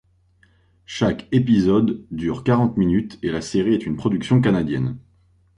Chaque épisode dure quarante minutes et la série est une production canadienne.